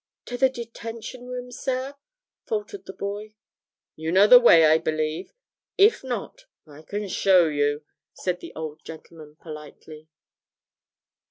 'To the Detention Room, sir?' faltered the boy. 'You know the way, I believe? If not, I can show you,' said the old gentleman politely.